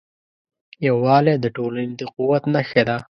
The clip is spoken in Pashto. یووالی د ټولنې د قوت نښه ده.